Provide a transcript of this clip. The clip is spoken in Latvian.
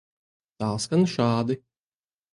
Tā skan šādi.